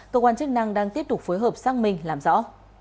cơ quan chức năng đang tiếp tục phối hợp sang mình làm rõ